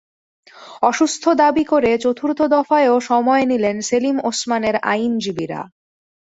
অসুস্থ দাবি করে চতুর্থ দফায়ও সময় নিলেন সেলিম ওসমানের আইনজীবীরা।